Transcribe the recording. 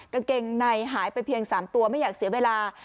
กางเกงในหายไปเพียง๓ตัวไม่อยากเสียเวลา